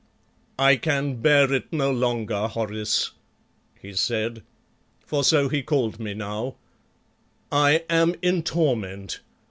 "I can bear it no longer, Horace," he said for so he called me now "I am in torment.